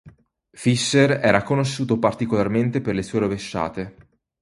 Fischer era conosciuto particolarmente per le sue rovesciate.